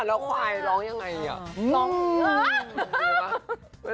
แล้วควายร้องยังไงอ่ะ